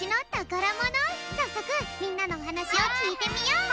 さっそくみんなのおはなしをきいてみよう。